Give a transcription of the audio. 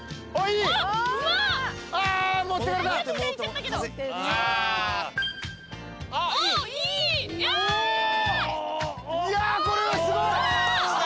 いやこれはすごい。